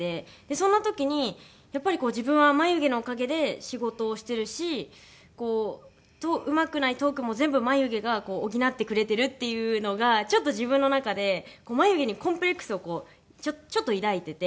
そんな時にやっぱりこう自分は眉毛のおかげで仕事をしてるしうまくないトークも全部眉毛が補ってくれてるっていうのがちょっと自分の中で眉毛にコンプレックスをちょっと抱いてて。